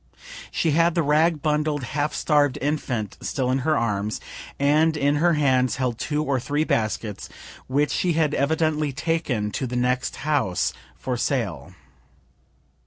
She had the rag bundled, half starv'd infant still in her arms, and in her hands held two or three baskets, which she had evidently taken to the next house for sale.